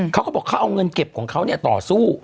เขาก็บอกเขาเอาเงินเก็บของเขาเนี่ยต่อสู้